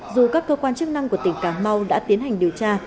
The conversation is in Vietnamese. dù các cơ quan chức năng của tỉnh cà mau đã tiến hành điều tra